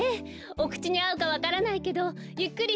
おくちにあうかわからないけどゆっくりしていってね。